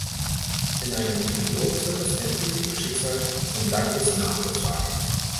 In einem Epilog wird das endgültige Schicksal von Douglas nachgetragen.